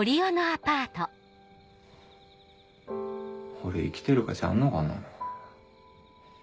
俺生きてる価値あんのかな？